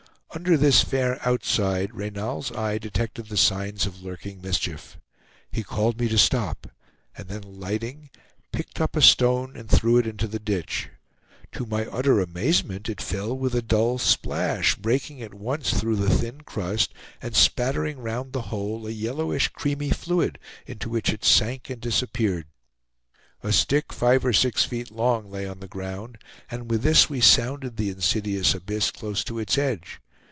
Under this fair outside, Reynal's eye detected the signs of lurking mischief. He called me to stop, and then alighting, picked up a stone and threw it into the ditch. To my utter amazement it fell with a dull splash, breaking at once through the thin crust, and spattering round the hole a yellowish creamy fluid, into which it sank and disappeared. A stick, five or six feet long lay on the ground, and with this we sounded the insidious abyss close to its edge.